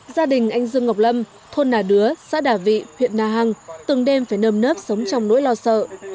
gia đình anh dương ngọc lâm thôn nà đứa xã đà vị huyện na hàng từng đêm phải nơm nớp sống trong nỗi lo sợ